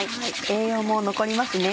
栄養も残りますね。